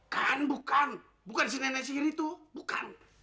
kan bukan bukan si nenek siri tuh bukan